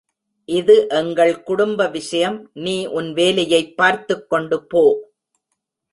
இது எங்கள் குடும்ப விஷயம், நீ உன் வேலையைப் பார்த்துக்கொண்டு போ.